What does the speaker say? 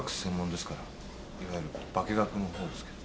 いわゆるバケ学のほうですけど。